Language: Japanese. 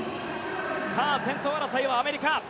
先頭争いはアメリカ。